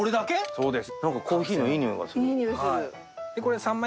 そうです。